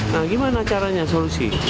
nah gimana caranya solusi